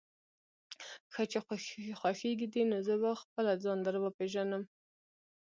ښه چې خوښېږي دې، نو زه به خپله ځان در وپېژنم.